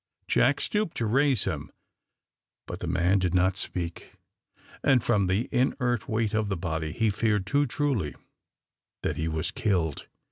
Jack stooped to raise him, but the man did not speak, and from the inert weight of the body, he feared too truly that he was killed.